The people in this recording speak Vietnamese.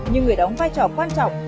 nhưng người đóng vai trò quan trọng